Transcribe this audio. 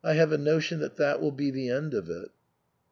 I have a notion that that will be the end of it